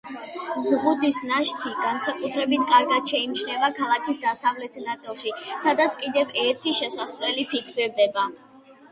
ზღუდის ნაშთი განსაკუთრებით კარგად შეიმჩნევა ქალაქის დასავლეთ ნაწილში, სადაც კიდევ ერთი შესასვლელი ფიქსირდება.